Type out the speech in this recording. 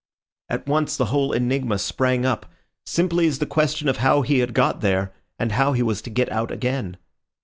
At once the whole enigma sprang up, simply as the question of how he had got there, and how he was to get out again.